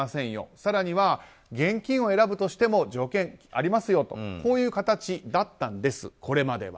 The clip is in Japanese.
更には、現金を選ぶとしても条件がありますよとこういう形だったんですこれまでは。